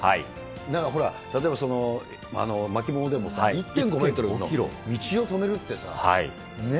だからほら、例えば巻物でもさ、１．５メートルの、道を止めるってさ、ね？